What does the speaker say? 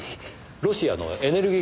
ロシアのエネルギー